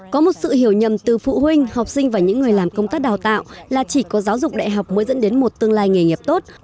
có một sự hiểu nhầm từ phụ huynh học sinh và những người làm công tác đào tạo là chỉ có giáo dục đại học mới dẫn đến một tương lai nghề nghiệp tốt